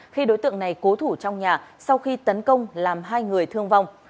khi đối tượng này cố thủ trong nhà sau khi tấn công làm hai người thương vong